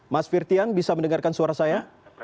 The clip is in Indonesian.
mas firtian bisa mendengarkan suara saya